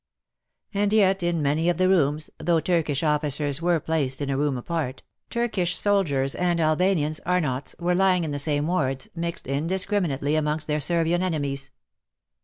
And yet in many of the rooms — though Turkish officers were placed in a room apart — Turkish soldiers and Albanians (Arnots) were lying in the same wards, mixed indiscriminately amongst their Servian enemies.